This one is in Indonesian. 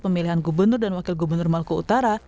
pemilihan gubernur dan wakil gubernur maluku utara